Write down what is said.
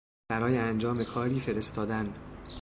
برای انجام کاری فرستادن